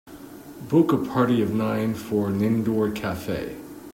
book a party of nine for an indoor cafe